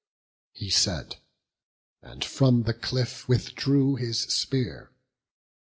He said, and from the cliff withdrew his spear.